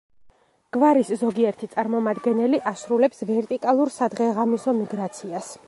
გვარის ზოგიერთი წარმომადგენელი ასრულებს ვერტიკალურ სადღეღამისო მიგრაციას.